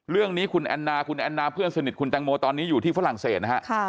เรื่องนี้คุณแอนนาคุณแอนนาเพื่อนสนิทคุณแตงโมตอนนี้อยู่ที่ฝรั่งเศสนะฮะ